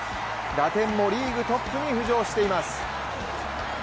打点もリーグトップに浮上しています。